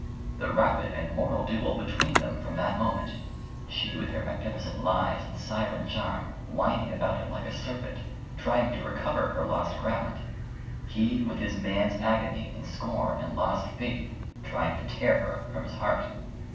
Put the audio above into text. The rapid and mortal duel between them from that moment—she with her magnificent lies and siren charm, winding about him like a serpent, trying to recover her lost ground; he with his man's agony and scorn and lost faith, trying to tear her from his heart.